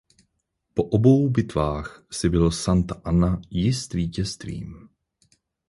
Po obou bitvách si byl Santa Anna jist vítězstvím.